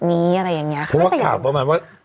เพราะว่าข่าวประมาณว่า